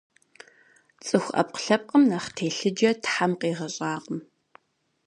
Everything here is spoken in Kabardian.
Цӏыху ӏэпкълъэпкъым нэхъ телъыджэ Тхьэм къигъэщӏакъым.